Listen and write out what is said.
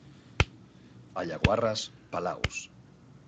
A Llaguarres, palaus.